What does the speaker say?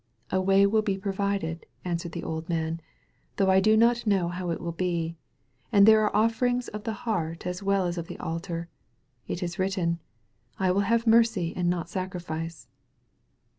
"A way will be provided," answered the old man, "though I do not know how it will be. And there are offerings of the heart as well as of the altar. It is written, *I will have mercy and not sacrifice.